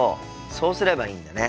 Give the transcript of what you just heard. そうすればいいんだね。